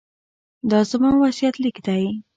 دا زما وصیت لیک دی.